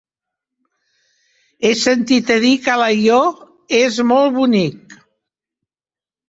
He sentit a dir que Alaior és molt bonic.